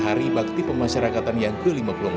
hari bakti pemasyarakatan yang ke lima puluh empat